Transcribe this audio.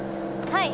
はい。